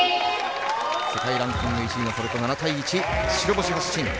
世界ランキング１位のトルコ７対１、白星発進。